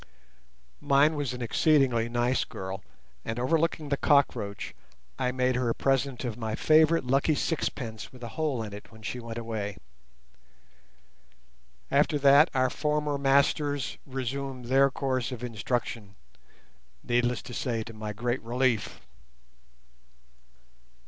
Mine was an exceedingly nice girl, and, overlooking the cockroach, I made her a present of my favourite lucky sixpence with a hole in it when she went away. After that our former masters resumed their course of instruction, needless to say to my great relief.